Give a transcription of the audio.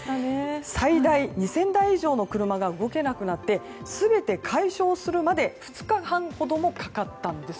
最大２０００台以上の車が動けなくなって全て解消するまで２日半ほどかかったんです。